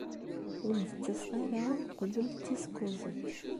Ur d-ttaseɣ ara uqbel tis kuẓet.